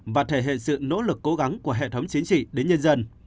và thể hiện sự nỗ lực cố gắng của hệ thống chính trị đến nhân dân